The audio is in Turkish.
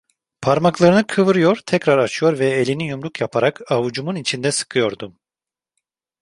Parmaklarını kıvırıyor, tekrar açıyor ve elini yumruk yaparak avucumun içinde sıkıyordum.